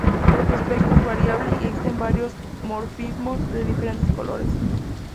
Su aspecto es variable y existen varios morfismos de diferentes colores.